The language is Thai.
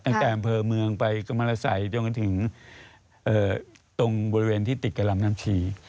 อำเภอเมืองไปกรรมรสัยจนกันถึงตรงบริเวณที่ติดกับลำน้ำชี